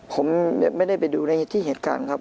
ผมไม่ได้ไปดูในเหตุที่เหตุการณ์ครับ